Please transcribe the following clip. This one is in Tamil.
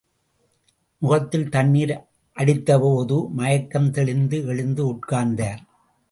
முகதத்தில் தண்ணீர் அடித்தபோது, மயக்கம் தெளிந்து, எழுந்து உட்கார்ந்தார்.